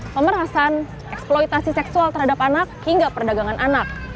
pemerasan eksploitasi seksual terhadap anak hingga perdagangan anak